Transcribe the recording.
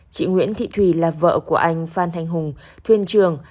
chị nguyễn thị thùy là vợ của anh phan thanh hùng thuyền trường